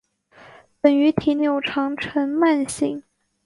本鱼体细长呈鳗形。